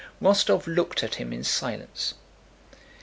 Rostóv looked at him in silence.